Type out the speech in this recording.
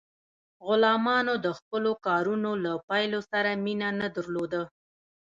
غلامانو د خپلو کارونو له پایلو سره مینه نه درلوده.